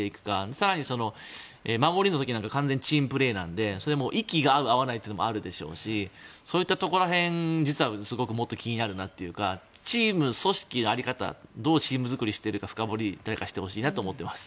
更に守りの時なんかは完全にチームプレーなのでそれも息が合う、合わないというのもあるでしょうしそういったところらへんがすごく気になるというかチーム組織の在り方どうチームづくりしているか深掘り、誰かしてほしいなと思っています。